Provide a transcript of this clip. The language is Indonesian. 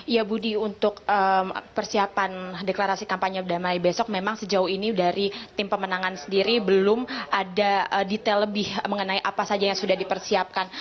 ya budi untuk persiapan deklarasi kampanye damai besok memang sejauh ini dari tim pemenangan sendiri belum ada detail lebih mengenai apa saja yang sudah dipersiapkan